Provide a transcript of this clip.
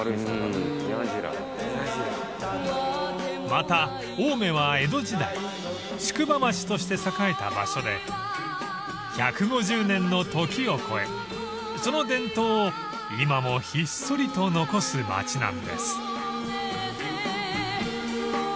［また青梅は江戸時代宿場町として栄えた場所で１５０年の時を超えその伝統を今もひっそりと残す街なんです］